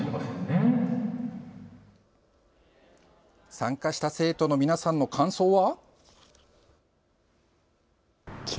参加した生徒の皆さんの感想は？